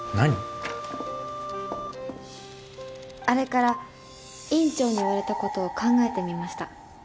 あれから院長に言われたことを考えてみました。